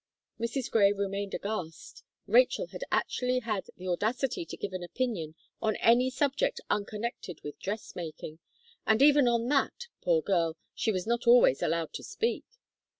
Mrs. Gray remained aghast. Rachel had actually had the audacity to give an opinion on any subject unconnected with dress making and even on that, poor girl! she was not always allowed to speak.